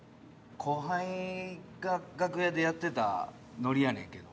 後輩が楽屋でやってたノリやねんけど。